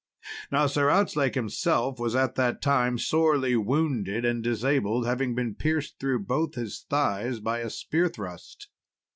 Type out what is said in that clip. Now Sir Outzlake himself was at that time sorely wounded and disabled, having been pierced through both his thighs by a spear thrust.